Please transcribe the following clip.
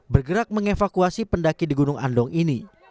bergerak mengevakuasi pendaki di gunung andong ini